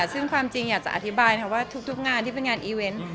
ซึ่งความจริงอยากจะอธิบายว่าทุกงานที่เป็นงานอีเวนต์